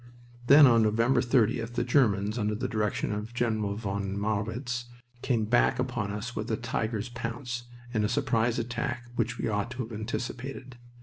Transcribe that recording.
Then on November 30th the Germans, under the direction of General von Marwitz, came back upon us with a tiger's pounce, in a surprise attack which we ought to have anticipated.